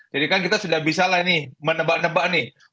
jadi kan kita sudah bisa lah nih menebak nebak nih